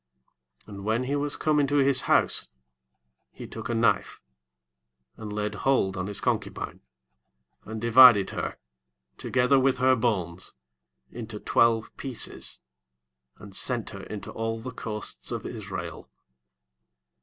29 And when he was come into his house, he took a knife, and laid hold on his concubine, and divided her, together with her bones, into twelve pieces, and sent her into all the coasts of Israel.